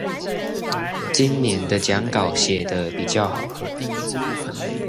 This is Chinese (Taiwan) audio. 今年的講稿寫得比較好